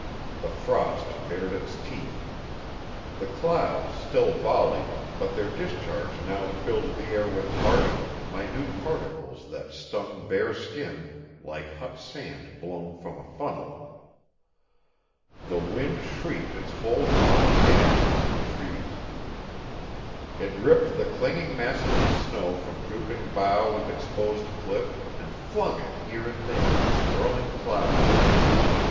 The frost bared its teeth. The clouds still volleyed, but their discharge now filled the air with harsh, minute particles that stung bare skin like hot sand blown from a funnel. The wind shrieked its whole tonal gamut among the trees. It ripped the clinging masses of snow from drooping bough and exposed cliff and flung it here and there in swirling clouds.